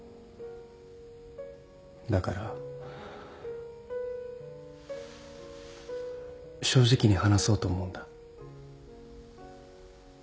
だから正直に話そうと思うんだ。